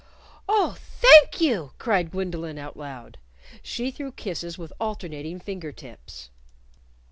"Oh, thank you!" cried Gwendolyn, out loud. She threw kisses with alternating finger tips.